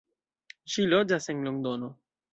Ŝi loĝas en Londono.